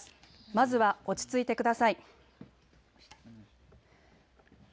まずは落ち着いてください。